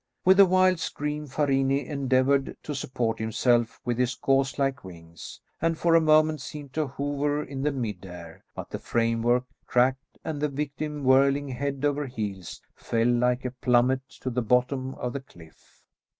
With a wild scream Farini endeavoured to support himself with his gauze like wings, and for a moment seemed to hover in mid air; but the framework cracked and the victim, whirling head over heels, fell like a plummet to the bottom of the cliff.